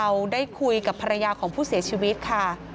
เราได้คุยกับภรรยาของผู้เสียชีวิตค่ะ